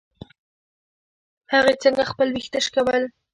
هغې څنګه خپل ويښته شکول.